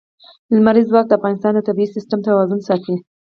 لمریز ځواک د افغانستان د طبعي سیسټم توازن ساتي.